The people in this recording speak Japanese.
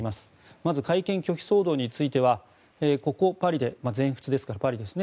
まず、会見拒否騒動についてはここパリで全仏ですからパリですね。